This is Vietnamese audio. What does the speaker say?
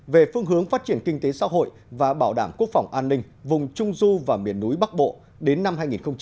về phương hướng phát triển kinh tế xã hội và bảo đảm quốc phòng an ninh vùng trung du và miền núi bắc bộ đến năm hai nghìn hai mươi